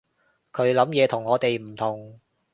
佢諗嘢同我哋唔同